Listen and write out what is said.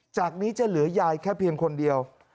จากนี้จะเหลือยายแค่เพียงคนเดียว